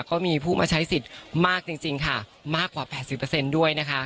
ก็มีผู้มาใช้สิทธิ์มากจริงจริงค่ะมากกว่าแปดสิบเปอร์เซ็นต์ด้วยนะคะ